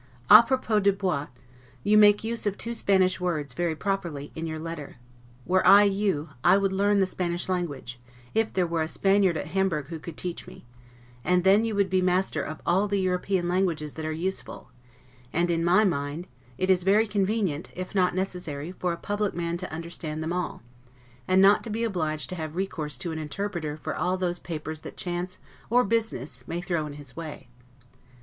A pro pos de bottes; you make use of two Spanish words, very properly, in your letter; were I you, I would learn the Spanish language, if there were a Spaniard at Hamburg who could teach me; and then you would be master of all the European languages that are useful; and, in my mind, it is very convenient, if not necessary, for a public man to understand them all, and not to be obliged to have recourse to an interpreter for those papers that chance or business may throw in his way.